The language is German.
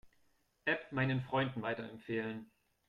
App meinen Freunden weiterempfehlen.